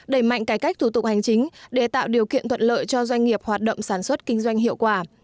đẩy mạnh cải cách thủ tục hành chính để tạo điều kiện thuận lợi cho doanh nghiệp hoạt động sản xuất kinh doanh hiệu quả